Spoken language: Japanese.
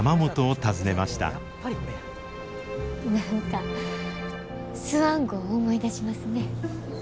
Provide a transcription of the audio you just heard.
何かスワン号思い出しますね。